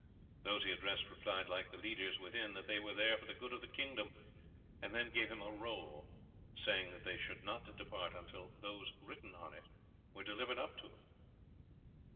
Those he addressed replied like the leaders within, that they were there for the good of the kingdom, and then gave him a roll, saying that they should not depart until those written on it were delivered up to them.